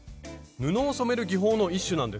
布を染める技法の一種なんです。